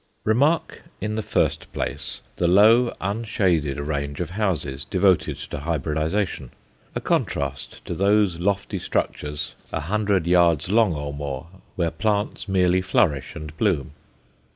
Remark, in the first place, the low, unshaded range of houses devoted to hybridization, a contrast to those lofty structures, a hundred yards long or more, where plants merely flourish and bloom.